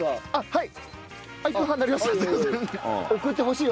はい。